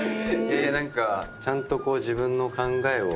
何かちゃんとこう自分の考えを。